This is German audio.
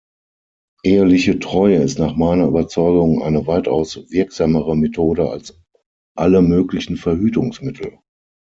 Eheliche Treue ist nach meiner Überzeugung eine weitaus wirksamere Methode als alle möglichen Verhütungsmittel.